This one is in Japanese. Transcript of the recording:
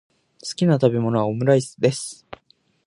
好きな食べ物はオムライスです。